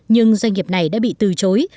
nhưng doanh nghiệp này đã bị từ chối